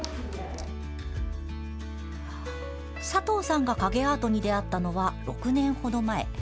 佐藤さんが影アートに出会ったのは６年ほど前。